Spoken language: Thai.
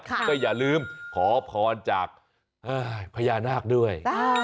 ก็อย่าลืมขอพรจากพญานาคด้วย